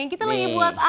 kita lagi buat apa nih